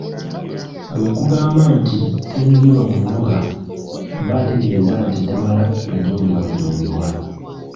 Bwe nkugamba nti "Tanyigirwa mu nnoga" mba ntegeeza nti tamala gajoogebwajoogebwa.